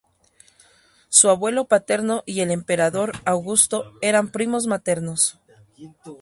Su abuelo paterno y el emperador Augusto eran primos maternos.